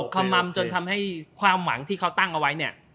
ขมัมจนทำให้ความหวังที่เขาตั้งเอาไว้เนี่ย